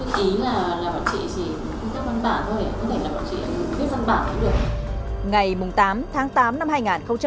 tôi nghĩ là bọn chị chỉ cung cấp văn bản thôi có thể là bọn chị cung cấp văn bản cũng được